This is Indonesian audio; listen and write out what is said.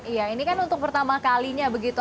iya ini kan untuk pertama kalinya begitu